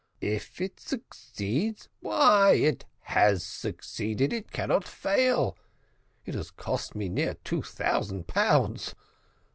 "If it succeeds! why, it has succeeded! it cannot fail. It has cost me near two thousand pounds.